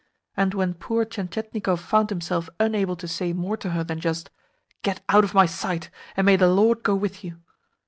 And when poor Tientietnikov found himself unable to say more to her than just, "Get out of my sight, and may the Lord go with you!"